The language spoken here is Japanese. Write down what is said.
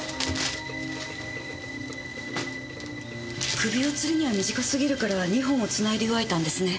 首をつるには短すぎるから２本を繋いで結わいたんですね。